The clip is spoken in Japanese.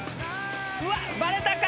うわっバレたか！？